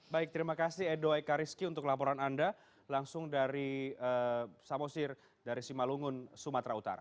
baik terima kasih edo ekariski untuk laporan anda langsung dari samosir dari simalungun sumatera utara